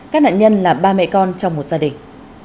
các nạn nhân là ba mẹ con trong một gia đình